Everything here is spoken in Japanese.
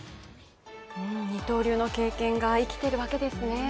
二刀流の経験が生きているわけですね。